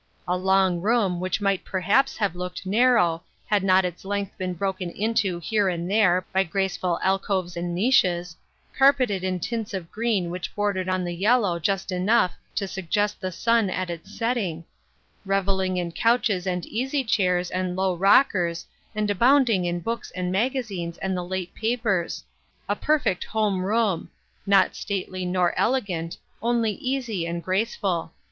A long room, which might perhaps have looked narrow, had not its length been broken into here and there by graceful alcoves and niches ; car peted in tints of green which bordered on the yellow just enough to suggest the sun at its set ting ; reveling in couches and easy chairs and low rockers, and abounding in books and magazines and the late papers ; a perfect home room : not stately nor elegant, only easy and graceful.